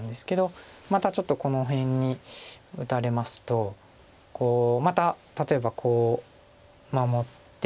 またちょっとこの辺に打たれますとまた例えばこう守って。